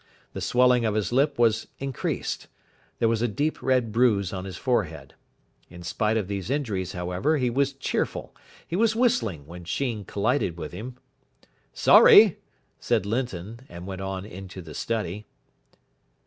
The swelling of his lip was increased. There was a deep red bruise on his forehead. In spite of these injuries, however, he was cheerful. He was whistling when Sheen collided with him. "Sorry," said Linton, and went on into the study.